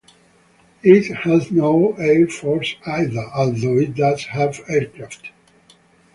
It has no air force either, although it does have aircraft.